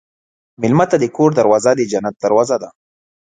مېلمه ته د کور دروازه د جنت دروازه ده.